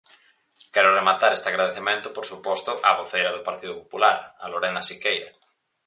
Quero rematar este agradecemento, por suposto, á voceira do Partido Popular, a Lorena Siqueira.